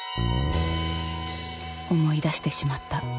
思い出してしまった。